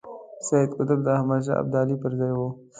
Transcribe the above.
سید قطب د احمد شاه ابدالي پر ځای وو.